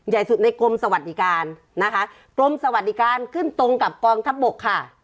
ใหญ่สุดในกรมสวัสดิการนะคะกรมสวัสดิการขึ้นตรงกับกองทัพบกค่ะ